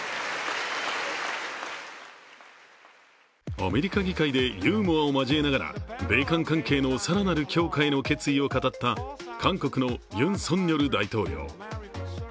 アメリカ議会でユーモアを交えながら米韓関係の更なる強化への決意を語った韓国のユン・ソンニョル大統領。